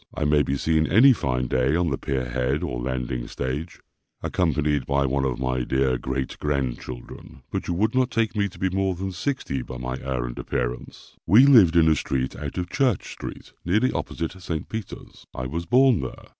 I may be seen any fine day on the Pier head or Landing stage, accompanied by one of my dear great grandchildren; but you would not take me to be more than sixty by my air and appearance. We lived in a street out of Church street, nearly opposite St. Peter's. I was born there.